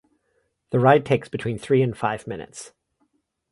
The ride takes between three and five minutes.